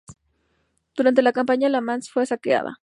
Durante la campaña, Le Mans fue saqueada.